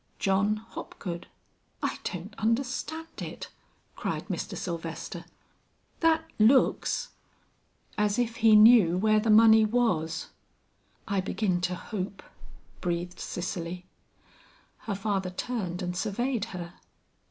"JOHN HOPGOOD." "I don't understand it," cried Mr. Sylvester, "that looks " "As if he knew where the money was." "I begin to hope," breathed Cicely. Her father turned and surveyed her.